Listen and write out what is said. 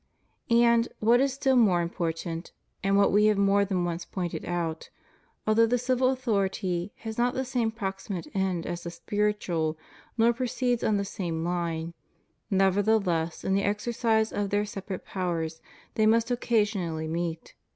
And, what is still more important, and what We have more than once pointed out, although the civil authority has not the same proximate end as the spiritual, nor proceeds on the same lines, nevertheless jn the exercise of their separate powers they must occasion ally meet.